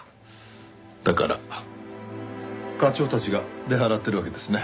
だから課長たちが出払ってるわけですね。